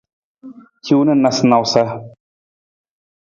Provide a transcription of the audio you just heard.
Hiwung na nawusanawusa.